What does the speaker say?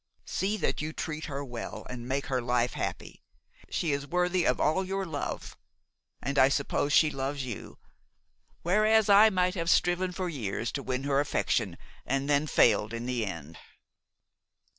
See that you treat her well and make her life happy! She is worthy of all your love, and I suppose she loves you, whereas I might have striven for years to win her affection and then failed in the end."